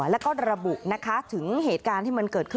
แล้วก็ระบุนะคะถึงเหตุการณ์ที่มันเกิดขึ้น